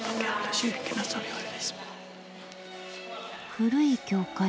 古い教会。